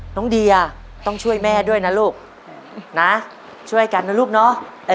น้องเดียต้องช่วยแม่ด้วยนะลูกนะช่วยกันนะลูกเนาะ